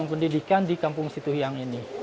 pendidikan di kampung situhiang ini